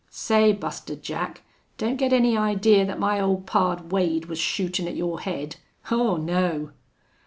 "Say, Buster Jack, don't get any idee thet my ole pard Wade was shootin' at your head. Aw, no!"